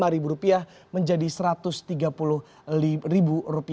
rp lima menjadi rp satu ratus tiga puluh